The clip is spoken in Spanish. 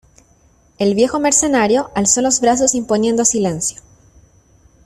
el viejo mercenario alzó los brazos imponiendo silencio: